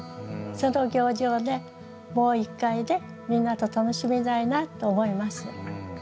その行事をねもう一回ねみんなと楽しみたいなと思います。